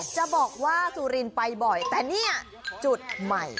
จะบอกว่าสุรินทร์ไปบ่อยแต่เนี่ยจุดใหม่